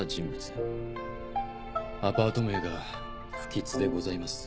アパート名が不吉でございます。